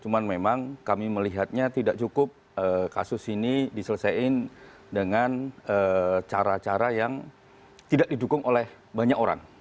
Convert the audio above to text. cuma memang kami melihatnya tidak cukup kasus ini diselesaikan dengan cara cara yang tidak didukung oleh banyak orang